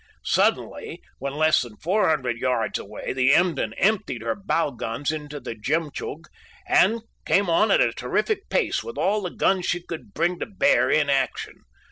Suddenly, when less than 400 yards away, the Emden emptied her bow guns into the Jemtchug and came on at a terrific pace, with all the guns she could bring to bear in action.